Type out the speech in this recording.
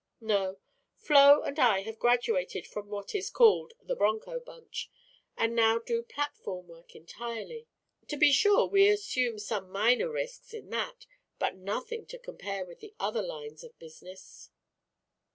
"No; Flo and I have graduated from what is called 'the bronco bunch,' and now do platform work entirely. To be sure we assume some minor risks in that, but nothing to compare with the other lines of business."